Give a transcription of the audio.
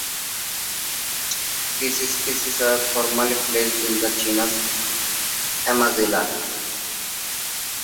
These species were formerly placed in the genus "Amazilia".